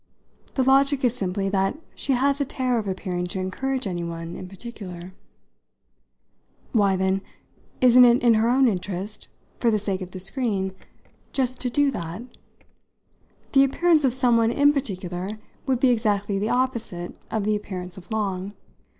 "The logic is simply that she has a terror of appearing to encourage anyone in particular." "Why then isn't it in her own interest, for the sake of the screen, just to do that? The appearance of someone in particular would be exactly the opposite of the appearance of Long.